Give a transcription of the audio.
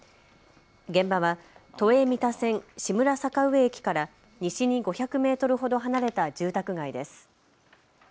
現場は都営三田線志村坂上駅から西に５００メートルほど離れた住宅街です。